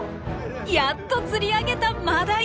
やっと釣り上げたマダイ！